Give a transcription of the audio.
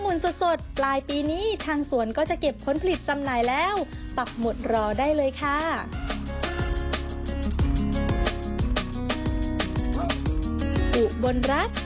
อุบลรัฐนวรเนียมข่าวเทราะทีวีรายงาน